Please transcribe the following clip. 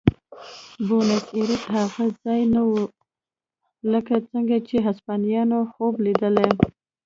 بونیس ایرس هغه ځای نه و لکه څنګه چې هسپانویانو خوب لیدلی.